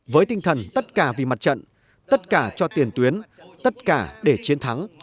với tinh thần tất cả vì mặt trận tất cả cho tiền tuyến tất cả để chiến thắng